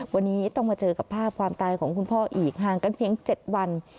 วันนี้ต้องมาเจอกับภาพความตายของคุณพ่ออีกห่างกันเพียง๗วัน